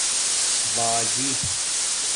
باجی